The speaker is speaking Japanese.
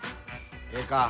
ええか。